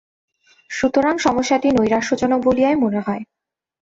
সুতরাং সমস্যাটি নৈরাশ্যজনক বলিয়াই মনে হয়।